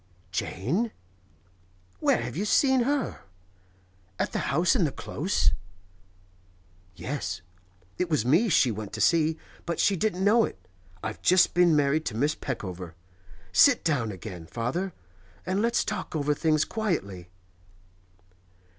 'Jane? Where have you seen her? At the house in the Close?' 'Yes. It was me she went to see, but she didn't know it. I've just been married to Miss Peckover. Sit down again, father, and let's talk over things quietly.